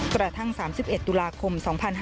กระทั่ง๓๑ตุลาคม๒๕๕๙